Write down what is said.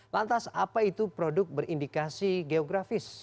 lantas apa itu produk berindikasi geografis